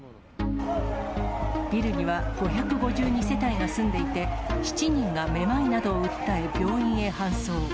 ビルには５５２世帯が住んでいて、７人がめまいなどを訴え、病院へ搬送。